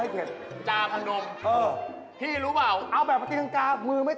ก็ลงรถแล้วก็นั่งรถต่อมานี่ไงพี่